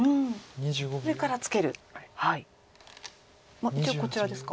まあ一応こちらですか？